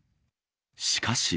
しかし。